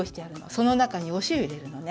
そのなかにおしおを入れるのね。